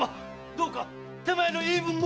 どうか手前の言い分も！